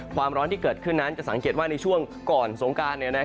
ความร้อนที่เกิดขึ้นนั้นจะสังเกตว่าในช่วงก่อนสงการ